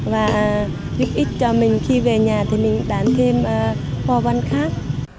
và giúp ích cho mình khi về nhà thì mình đán thêm quà văn khác